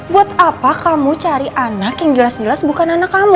buat apa kamu cari anak yang jelas jelas bukan anak kamu